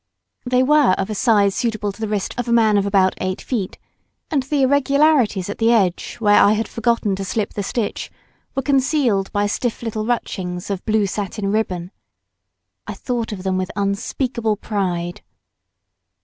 They were of a size suitable to the wrist of a man of about eight feet, and the irregularities at the edge where I had forgotten to slip the stitch were concealed by stiff little ruchings of blue satin ribbon. I thought of them with unspeakable pride.